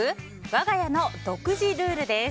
わが家の独自ルールです。